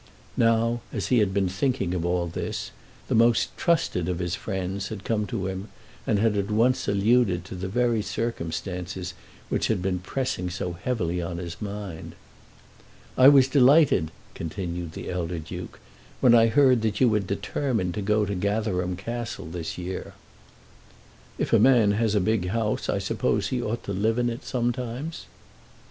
Now, as he had been thinking of all this, the most trusted of his friends had come to him, and had at once alluded to the very circumstances which had been pressing so heavily on his mind. "I was delighted," continued the elder Duke, "when I heard that you had determined to go to Gatherum Castle this year." "If a man has a big house I suppose he ought to live in it, sometimes."